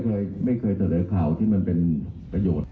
ไม่เคยเสนอข่าวที่มันเป็นประโยชน์